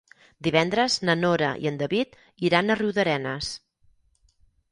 Divendres na Nora i en David iran a Riudarenes.